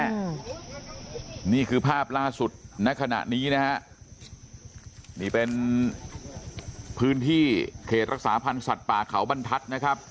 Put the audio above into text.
อืมนี่คือภาพล่าสุดณขณะนี้นะฮะนี่เป็นพื้นที่เขตรักษาพันธ์สัตว์ป่าเขาบรรทัศน์นะครับ